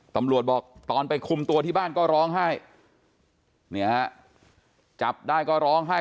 ตำรวจบอกตอนไปคุมตัวที่บ้านก็ร้องไห้เนี่ยฮะจับได้ก็ร้องไห้